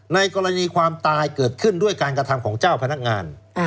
ในกรณีความตายเกิดขึ้นด้วยการกระทำของเจ้าพนักงาน